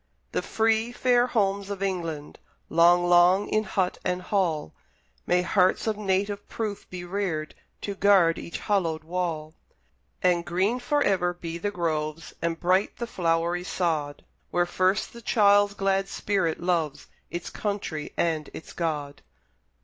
The free, fair homes of England! Long, long, in hut and hall, May hearts of native proof be reared To guard each hallowed wall! And green for ever be the groves, And bright the flowery sod, Where first the child's glad spirit loves Its country and its God!